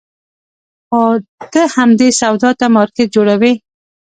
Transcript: خو ته همدې سودا ته مارکېټ جوړوې.